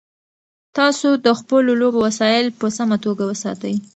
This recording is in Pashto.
تاسو د خپلو لوبو وسایل په سمه توګه وساتئ.